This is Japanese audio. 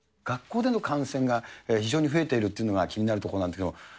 学校での感染が非常に増えているというのが気になるところなんですけれども。